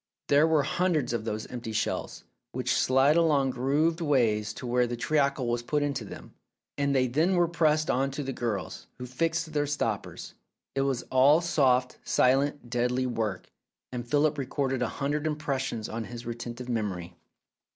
There were hundreds of those empty shells, which slid along grooved ways to where the treacle was put into them, and they then were passed on to the girls, who fixed their stoppers. It was all soft, silent, deadly work, and Philip recorded a hundred impres sions on his retentive memory.